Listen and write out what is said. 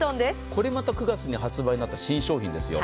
これまた９月に発売になった新商品ですよ。